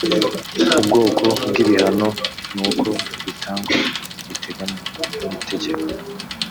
ubwoko bw ibihano n uko bitangwa biteganwa nitegeko